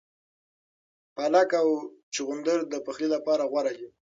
پالک او چغندر د پخلي لپاره غوره دي.